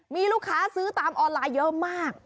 มีลูกค้าซื้อตามออนไลน์เยอะมาก